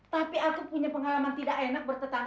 tapi aku punya pengalaman tidak enak bertetangga sama dia